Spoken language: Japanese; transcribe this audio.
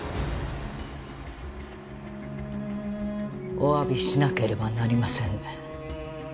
お詫びしなければなりませんね。